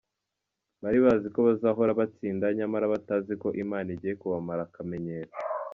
Bari bazi ko bazahora batsinda, nyamara batazi ko Imana igiye kubamara akamenyero.